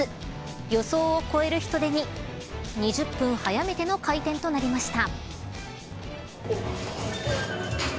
予想を超える人出に２０分早めての開店となりました。